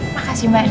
makasih mbak enek